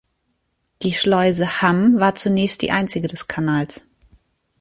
Die Schleuse Hamm war zunächst die einzige des Kanals.